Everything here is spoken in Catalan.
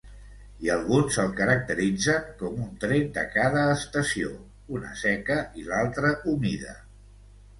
I alguns el caracteritzen com un tret de cada estació, una seca i l'altra humida.